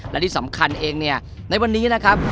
และที่สำคัญเองเนี่ยในวันนี้นะครับ